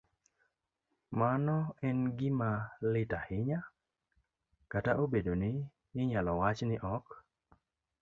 mano en gima lit ahinya, kata obedo ni inyalo wach ni ok